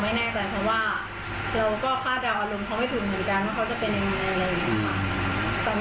เพราะว่าเราก็คาดราวอารมณ์เขาไม่ถึงเหมือนกันว่าเขาจะเป็นในเมืองอะไรอย่างนี้